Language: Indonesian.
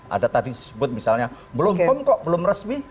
ada tadi disebut misalnya belum kom kok belum resmi